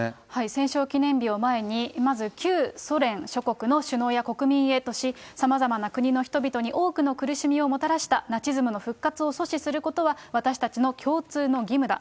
戦勝記念日を前に、まず旧ソ連諸国の首脳や国民へとし、さまざまな国々の人々に多くの苦しみをもたらしたナチズムの復活を阻止することは、私たちの共通の義務だ。